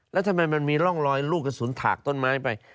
แล้วทำไมมันมีร่องรอยลูกกระสุนถากต้นไม้ไป